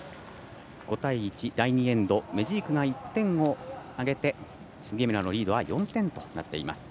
５対１、第２エンドメジークが１点挙げて杉村のリードは４点。